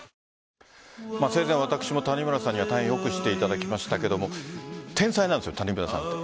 ．．．生前、私も谷村さんには大変良くしていただきましたが天才なんですよ、谷村さんって。